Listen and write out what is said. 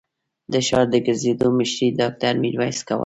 د ښار د ګرځېدو مشري ډاکټر ميرويس کوله.